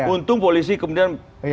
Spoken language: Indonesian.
untung polisi kemudian